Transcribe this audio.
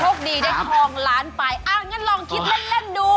แล้วโชคดีได้ทองร้านไปอ้าวอย่างนั้นลองคิดเล่นดู